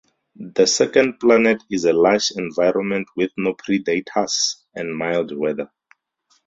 The second planet is a lush environment with no predators and mild weather.